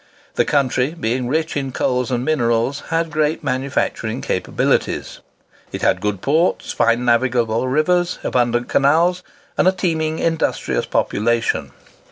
The country, being rich in coal and minerals, had great manufacturing capabilities. It had good ports, fine navigable rivers, abundant canals, and a teeming, industrious population.